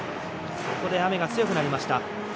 ここで雨が強くなりました。